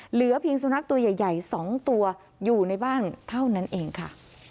เหลือเพียงสุนัขตัวใหญ่๒ตัวอยู่ในบ้านเท่านั้นเองค่ะ